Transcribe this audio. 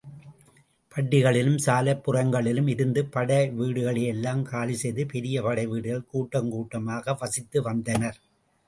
பட்டிகளிலும் சாலைப்புறங்களிலும் இருந்த படைவீடுகளையெல்லாம் காலிசெய்து பெரிய படைவீடுகளில் கூட்டங்கூட்டமாக வசித்து வந்தனர்.